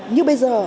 như bây giờ